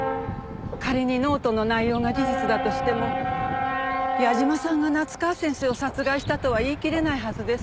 仮にノートの内容が事実だとしても矢嶋さんが夏河先生を殺害したとは言い切れないはずです。